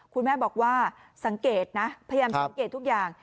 คุณแม่บอกว่าสังเกตนะพยายามสังเกตทุกอย่าง